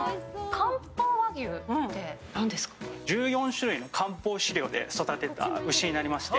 １４種類の漢方飼料で育てた牛になりまして。